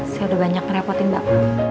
saya udah banyak merepotin bapak